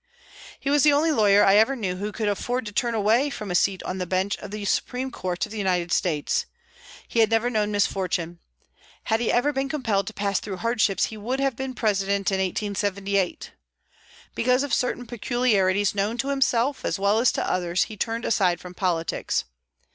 He was the only lawyer I ever knew who could afford to turn away from a seat on the bench of the Supreme Court of the United States. He had never known misfortune. Had he ever been compelled to pass through hardships he would have been President in 1878. Because of certain peculiarities, known to himself, as well as to others, he turned aside from politics.